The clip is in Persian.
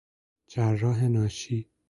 جراح ناشی